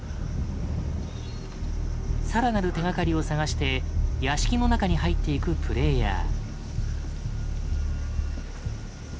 更なる手がかりを探して屋敷の中に入っていくプレイヤー。